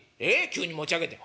急に持ち上げて」。